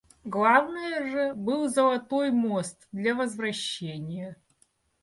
Главное же — был золотой мост для возвращения.